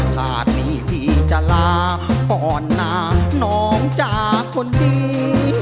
ชาตินี้พี่จะลาก่อนนะน้องจากคนดี